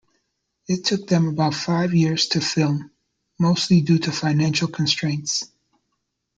It took them about five years to film, mostly due to financial constraints.